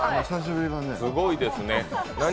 すごいですね。